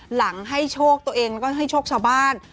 หลังให้โชคตัวเองแล้วก็ให้โชคชาวบ้าน